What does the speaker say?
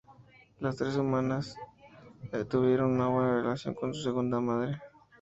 Las tres hermanas tuvieron una buena relación con su segunda madre.